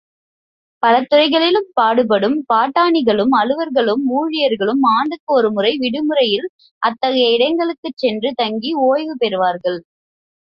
பலதுறைகளிலும் பாடுபடும் பாட்டானிகளும், அலுவலர்களும் ஊழியர்களும் ஆண்டுக்கு ஒருமுறை விடுமுறையில் அத்தகைய இடங்களுக்குச் சென்று தங்கி ஒய்வு பெறுவார்கள்.